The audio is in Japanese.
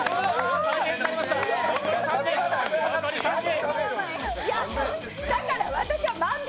残り３人！